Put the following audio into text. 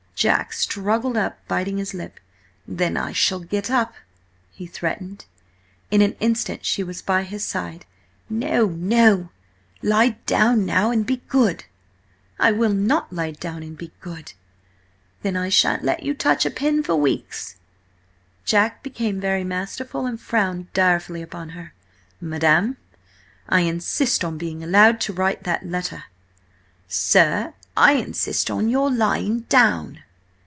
Jack struggled up, biting his lip. "Then I shall get up!" he threatened. In an instant she was by his side. "No, no! Now lie down and be good!" "I will not lie down and be good!" "Then I shan't let you touch a pen for weeks!" Jack became very masterful and frowned direfully upon her. "Madam, I insist on being allowed to write that letter!" "Sir, I insist on your lying down!"